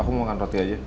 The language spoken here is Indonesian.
aku mau makan roti aja